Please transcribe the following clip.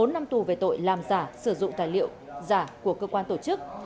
bốn năm tù về tội làm giả sử dụng tài liệu giả của cơ quan tổ chức